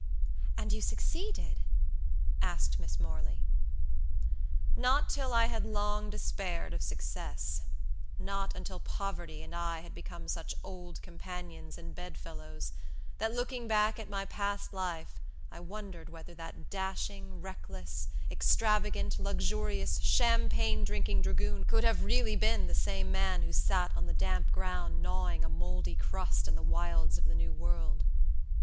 "And you succeeded?" asked Miss Morley. "Not till I had long despaired of success; not until poverty and I had become such old companions and bed fellows, that looking back at my past life, I wondered whether that dashing, reckless, extravagant, luxurious, champagne drinking dragoon could have really been the same man who sat on the damp ground gnawing a moldy crust in the wilds of the new world.